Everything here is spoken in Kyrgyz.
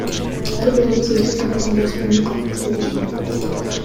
Ар бирибиз элдин гана тандоосуна үмүт арттык, — деди Жээнбеков.